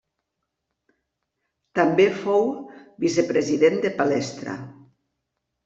També fou vicepresident de Palestra.